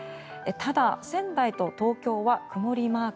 ただ、仙台と東京は曇りマーク。